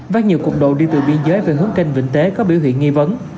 và nhiều cục đồ đi từ biên giới về hướng kênh vĩnh tế có biểu hiện nghi vấn